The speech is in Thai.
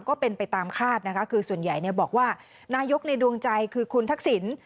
ก็เป็นไปตามคาดนะคะคือส่วนใหญ่บอกว่านายกในดวงใจคือคุณทักษิณ